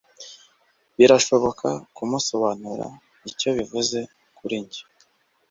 birashobora kumusobanurira icyo bivuze kuri njye